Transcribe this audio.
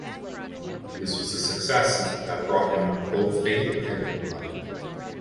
This was a success that brought him both fame and money.